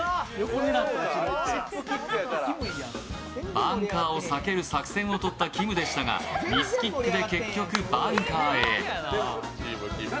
バンカーを避ける作戦をとったきむでしたが、ミスキックで結局バンカーへ。